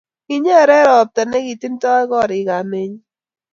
Kinyere robta ne kinte koriikab menyik